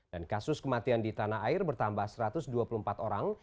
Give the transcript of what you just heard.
dan kasus kematian di tanah air bertambah satu ratus dua puluh empat orang